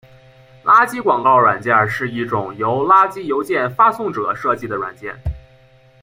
垃圾广告软件是一种由垃圾邮件发送者设计的软件。